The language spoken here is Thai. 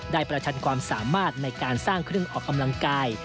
ประชันความสามารถในการสร้างเครื่องออกกำลังกาย